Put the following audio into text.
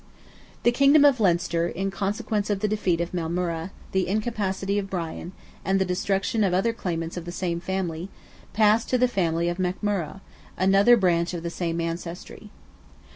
The kingdom of Leinster, in consequence of the defeat of Maelmurra, the incapacity of Brian, and the destruction of other claimants of the same family, passed to the family of McMurrogh, another branch of the same ancestry.